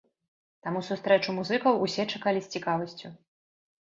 Таму сустрэчу музыкаў усе чакалі з цікавасцю.